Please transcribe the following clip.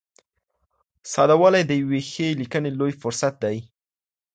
ساده والی د یوې ښې لیکنې لوی صفت دئ.